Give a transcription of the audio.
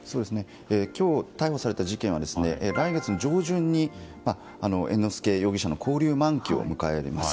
今日、逮捕された事件は来月の上旬に猿之助容疑者の勾留満期を迎えます。